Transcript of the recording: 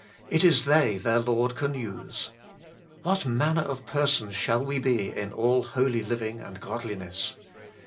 It is they their Lord can use. ' What manner of persons shall we be in all holy living and godliness